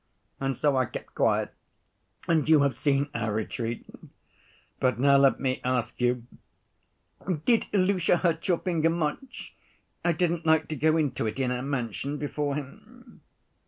And so I kept quiet, and you have seen our retreat. But now let me ask you: did Ilusha hurt your finger much? I didn't like to go into it in our mansion before him."